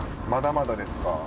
まだまだですか？